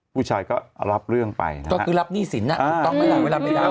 ผู้ชายก็รับเรื่องไปนะครับก็คือรับหนี้สินนะต้องไม่รับไม่รับ